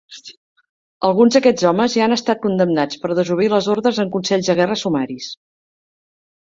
Alguns d"aquests homes ja han estat condemnats per desobeir les ordres en consells de guerra sumaris.